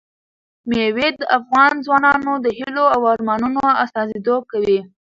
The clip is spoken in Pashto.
مېوې د افغان ځوانانو د هیلو او ارمانونو استازیتوب کوي.